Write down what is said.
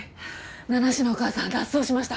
名無しのお母さん脱走しました。